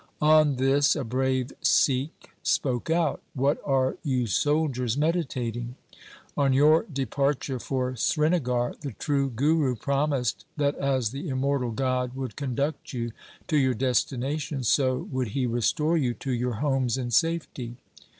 On this a brave Sikh spoke out, ' What are you soldiers meditating ? On your departure for Srinagar the true Guru promised that as the immortal God would conduct you to your destination, so would He restore you to your homes in safety.